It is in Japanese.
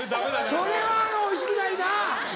それはおいしくないな！